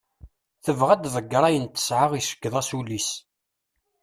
Tebɣa ad ḍegger ayen tesɛa iceggeḍ-as ul-is.